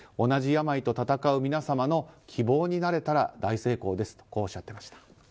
同じ病と闘う皆様の希望になれたら大成功ですとこうおっしゃっていました。